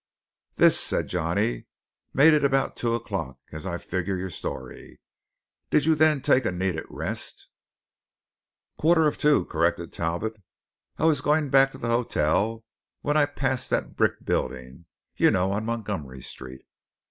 "This," said Johnny, "made it about two o'clock, as I figure your story. Did you then take a needed rest?" "Quarter of two," corrected Talbot, "I was going back to the hotel, when I passed that brick building you know, on Montgomery Street.